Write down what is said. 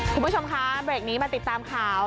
คุณผู้ชมคะเบรกนี้มาติดตามข่าว